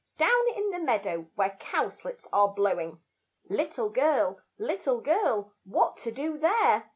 Down in the meadow where cowslips are blowing. Little girl, little girl, what to do there?